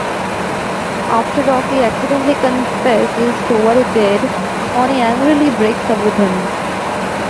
After Rocky accidentally confesses to what he did, Connie angrily breaks up with him.